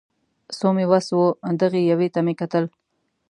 څو مې وس و دغې یوې ته مې کتل